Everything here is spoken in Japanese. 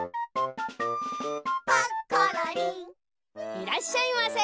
いらっしゃいませ。